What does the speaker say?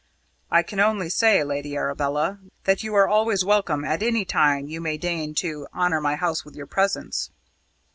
"I can only say, Lady Arabella, that you are always welcome at any time you may deign to honour my house with your presence."